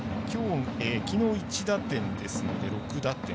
きのう１打点ですので６打点。